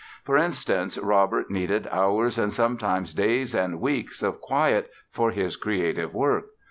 For instance, Robert needed hours and sometimes days and weeks of quiet for his creative work.